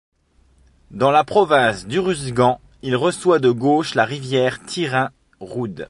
Dans la province d'Uruzgan il reçoit de gauche la rivière Tirin Roud.